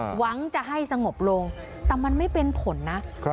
หวังจะให้สงบลงแต่มันไม่เป็นผลนะ